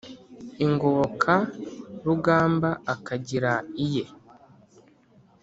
Ingobokarugamba akagira iye